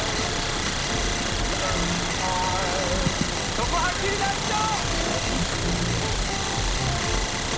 そこはっきり大事だ！